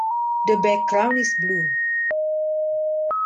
The background is blue.